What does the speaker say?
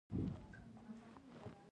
د ښار ټولو برخو ته ترې وړې ویالې تللې وې.